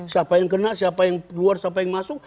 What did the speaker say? siapa yang kena siapa yang keluar siapa yang masuk